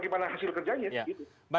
ya terima kasih bang adrianus meliala